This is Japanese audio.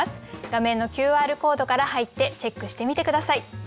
画面のＱＲコードから入ってチェックしてみて下さい。